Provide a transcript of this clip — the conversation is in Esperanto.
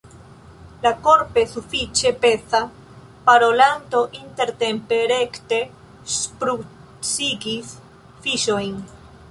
La korpe sufiĉe peza parolanto intertempe rekte ŝprucigis fiŝojn.